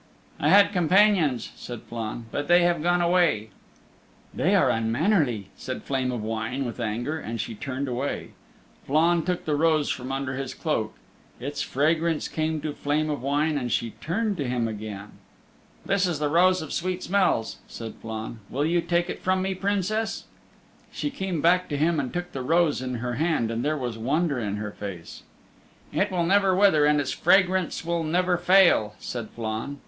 "I had companions," said Flann, "but they have gone away." "They are unmannerly," said Flame of Wine with anger, and she turned away. Flann took the rose from under his cloak. Its fragrance came to Flame of Wine and she turned to him again. "This is the Rose of Sweet Smells," said Flann. "Will you take it from me, Princess?" She came back to him and took the rose in her hand, and there was wonder in her face. "It will never wither, and its fragrance will never fail," said Flann.